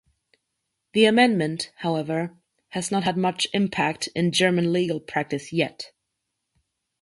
The amendment, however, has not had much impact in German legal practice yet.